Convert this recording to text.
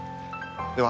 では。